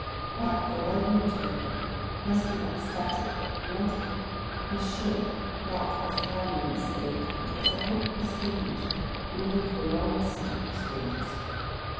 But the Modern Utopia must be not static but kinetic, must shape not as a permanent state but as a hopeful stage, leading to a long ascent of stages.